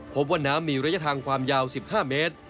พบว่าน้ำมีระยะทางความยาว๑๕เมตร